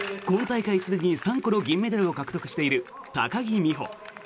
今大会すでに３個の金メダルを獲得している高木美帆。